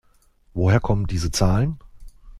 Woher kommen diese Zahlen?